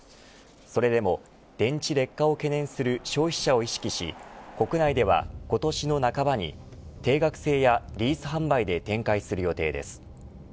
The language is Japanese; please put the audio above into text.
それでも電池劣化を懸念する消費者を意識し国内では今年の半ばに定額制やリース販売で展開する予定です。